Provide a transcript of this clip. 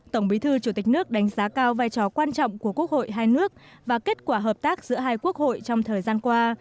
tổng bí thư chủ tịch nước đánh giá cao vai trò quan trọng của quốc hội hai nước và kết quả hợp tác giữa hai quốc hội trong thời gian qua